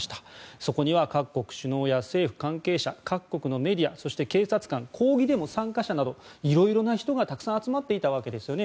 そこには各国首脳や政府関係者各国のメディア、そして警察官、抗議デモ参加者など色々な人がたくさん集まっていたわけですよね。